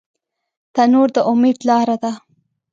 تنور د امید لاره ده